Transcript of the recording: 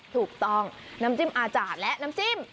ถูกต้องน้ำจิ้มอาจารย์และน้ำจิ้ม